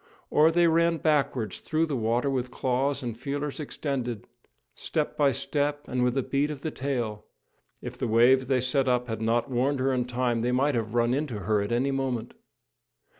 Or they ran backwards through the water with claws and feelers extended, step by step and with a beat of the tail; if the waves they set up had not warned her in time, they might have run into her at any moment.